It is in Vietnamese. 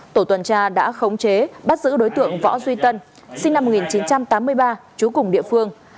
tổ tuần tra đã khống chế bắt giữ đối tượng võ duy tân sinh năm một nghìn chín trăm tám mươi ba trú cùng địa phương